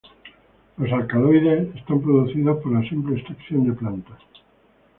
Los alcaloides son producidos por la simple extracción de plantas.